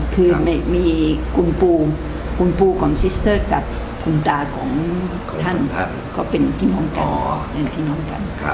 กุคุณปุกับคุณตาของท่านก็เป็นพิมพ์ของกัน